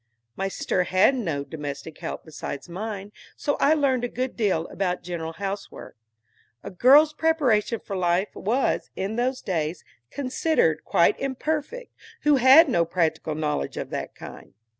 My sister had no domestic help besides mine, so I learned a good deal about general housework. A girl's preparation for life was, in those days, considered quite imperfect, who had no practical knowledge of that kind.